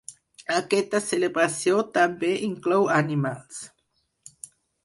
Aquesta celebració també inclou animals.